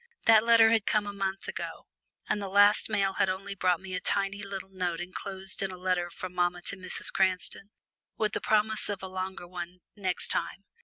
That letter had come a month ago, and the last mail had only brought me a tiny little note enclosed in a letter from mamma to Mrs. Cranston, with the promise of a longer one "next time."